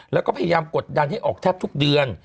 แล้วก็พยายามกดดันให้ออกแทบทุกเดือน